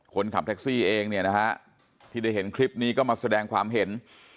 คนขับแท็กซี่เองเนี่ยนะฮะที่ได้เห็นคลิปนี้ก็มาแสดงความเห็น